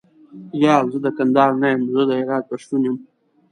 یا، زه د کندهار نه یم زه د هرات پښتون یم.